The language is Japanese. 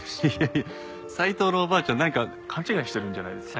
いや斉藤のおばあちゃんなんか勘違いしてるんじゃないですか？